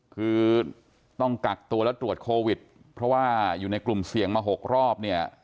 คือต้องกักตัวแล้วตรวจโควิดเพราะว่าอยู่ในกลุ่มเสี่ยงมา๖รอบเนี่ย